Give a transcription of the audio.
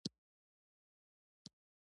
به نجونې په معبدونو کې اوسېدې